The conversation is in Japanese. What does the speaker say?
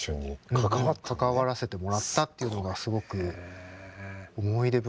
関わらせてもらったっていうのがすごく思い出深いですし。